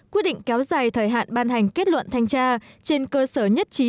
quyết định kéo dài thời hạn ban hành kết luận thanh tra trên cơ sở nhất trí